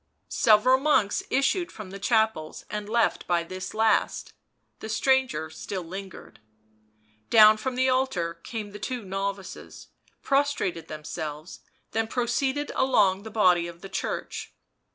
Several monks issued from the chapels and left by this last ; the stranger still lingered. Down from the altar came the two novices, pros trated themselves, then proceeded along the body of the church.